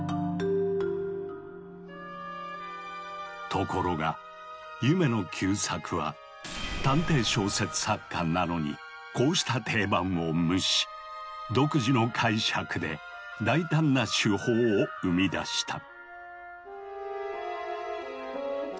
ところが夢野久作は探偵小説作家なのに独自の解釈で大胆な手法を生み出した。